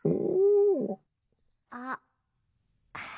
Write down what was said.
あっ。